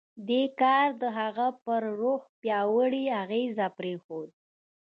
دې کار د هغه پر روح پیاوړی اغېز پرېښود